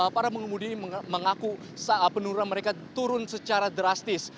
para pengemudi ini mengaku penurunan mereka turun secara drastis